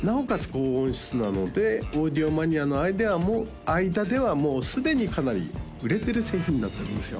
高音質なのでオーディオマニアの間ではもうすでにかなり売れてる製品になってるんですよ